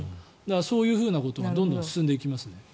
そういうことがどんどん進んでいきますね。